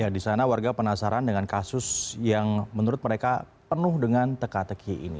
di sana warga penasaran dengan kasus yang menurut mereka penuh dengan teka teki ini